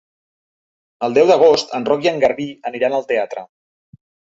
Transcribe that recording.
El deu d'agost en Roc i en Garbí aniran al teatre.